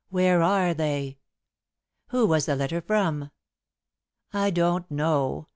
Where are they?" "Who was the letter from?" "I don't know.